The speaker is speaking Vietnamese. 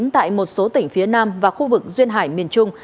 tại một số tỉnh phía nam và khu vực duyên hải miền trung